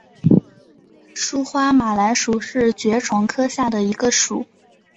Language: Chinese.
疏花马蓝属是爵床科下的一个属。